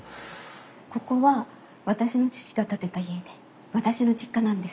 ここは私の父が建てた家で私の実家なんです。